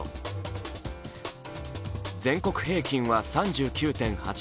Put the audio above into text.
全国平均は３９．８％。